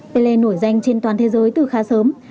pelle nổi danh trên toàn thế giới từ khá sớm